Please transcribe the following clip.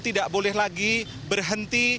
tidak boleh lagi berhenti